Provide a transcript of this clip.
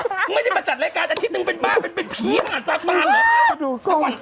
ไม่ได้มาจัดรายการอาทิตย์หนึ่งเป็นบ้าเป็นผีมันอาจจะมาเหรอ